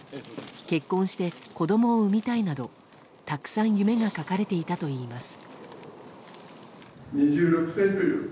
結婚して、子供を産みたいなどたくさん夢が書かれていたといいます。